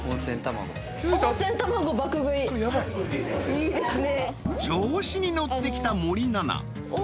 いいですね。